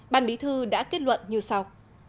ban bí thư đã kết luận như sau